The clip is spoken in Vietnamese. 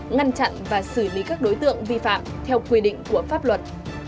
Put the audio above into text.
ngăn chặn và xử lý các đối tượng vi phạm theo quy định của pháp luật